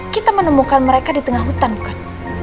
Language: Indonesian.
kita menemukan mereka di tengah hutan bukan